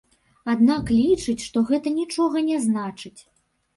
Аднак лічыць, што гэта нічога не значыць.